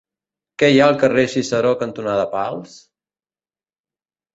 Què hi ha al carrer Ciceró cantonada Pals?